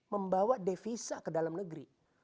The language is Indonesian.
membawa devisa ke dalam negeri